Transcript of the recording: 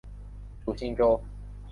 属新州。